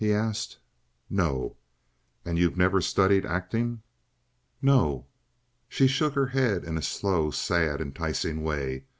he asked. "No." "And you never studied acting?" "No." She shook her head in a slow, sad, enticing way.